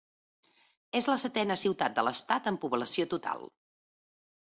És la setena ciutat de l'Estat en població total.